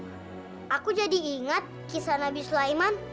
aku jadi ingat kisah nabi sulaiman